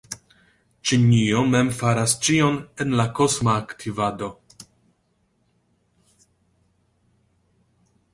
Ĉinio mem faras ĉion en la kosma aktivado.